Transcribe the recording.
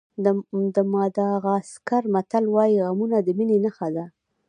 د ماداغاسکر متل وایي غمونه د مینې نښه ده.